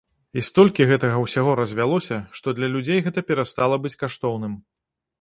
І столькі гэтага ўсяго развялося, што для людзей гэта перастала быць каштоўным.